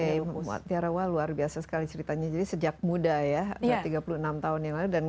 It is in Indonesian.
oke tiarawa luar biasa sekali ceritanya jadi sejak muda ya tiga puluh enam tahun yang lalu